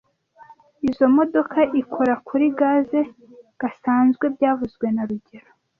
Izoi modoka ikora kuri gaze gasanzwe byavuzwe na rugero